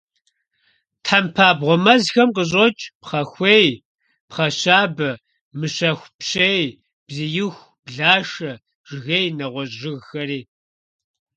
Тхьэмпабгъуэ мэзхэм къыщокӀ пхъэхуей, пхъэщабэ, мыщэхупщей, бзииху, блашэ, жыгей, нэгъуэщӀ жыгхэри.